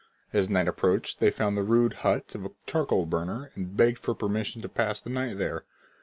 As night approached they found the rude hut of a charcoal burner and begged for permission to pass the night there.